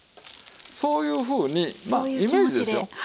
そういうふうにまあイメージですよ。